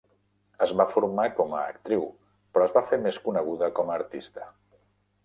Es va formar com a actriu, però es va fer més coneguda com a artista.